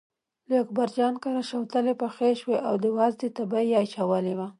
له اکبرجان کره شوتلې پخې شوې او د وازدې تبی یې اچولی و.